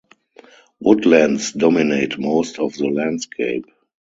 Woodlands dominate most of the landscape.